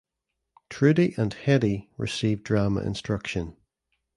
Trudi and Hedi received drama instruction.